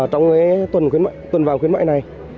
trong tuần vàng khuyến mại này